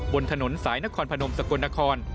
บนถนนสายนครพนมสกลนคร